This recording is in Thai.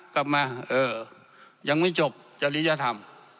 กลับมาเออยังไม่จบจริยธรรม